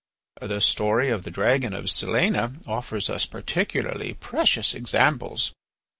"The story of the dragon of Silena affords us particularly precious examples.